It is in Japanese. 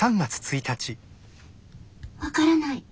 わからない。